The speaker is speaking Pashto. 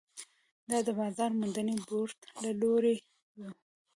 دا د بازار موندنې بورډ له لوري وو.